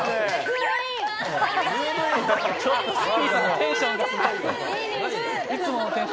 テンションがすごい。